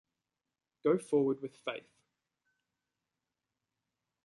Go forward with faith!